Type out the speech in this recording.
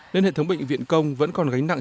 nên hệ thống bệnh viện công vẫn còn gánh nặng